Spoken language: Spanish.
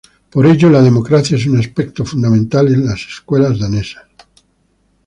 Por ello, la democracia es un aspecto fundamental en las escuelas danesas.